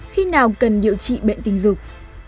khi nào cần điều trị bệnh tình dục